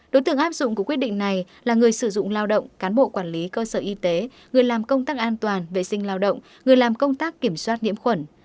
đối tượng áp dụng của quyết định này là người sử dụng lao động cán bộ quản lý cơ sở y tế người làm công tác an toàn vệ sinh lao động người làm công tác kiểm soát nhiễm khuẩn